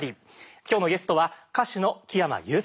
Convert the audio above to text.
今日のゲストは歌手の木山裕策さんです。